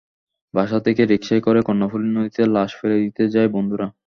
বাসা থেকে রিকশায় করে কর্ণফুলী নদীতে লাশ ফেলে দিতে যায় বন্ধুরা।